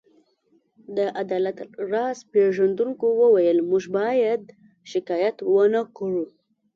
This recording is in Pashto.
د عدالت راز پيژندونکو وویل: موږ باید شکایت ونه کړو.